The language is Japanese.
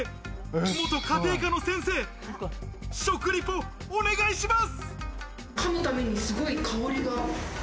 元家庭科の先生、食リポお願いします。